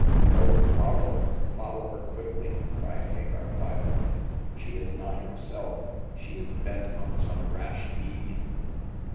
''Oh, follow her — follow her quickly 1 '' cried Hagar, wildly ;she is not herself ; she is bent on some rash deed